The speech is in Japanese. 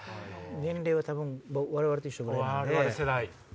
年齢は多分我々と一緒ぐらいなんで。